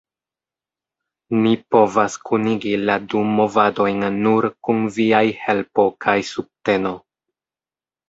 Ni povas kunigi la du movadojn nur kun viaj helpo kaj subteno.